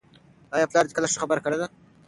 آیا پلار دې کله ښه خبره کړې ده؟